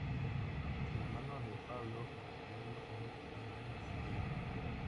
De la mano de Pablo, conoceremos a muchos personajes pintorescos.